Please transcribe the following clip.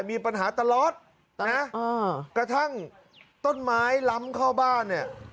มีปัญหาตลอดนะกระทั่งต้นไม้ล้ำเข้าบ้านเนี่ย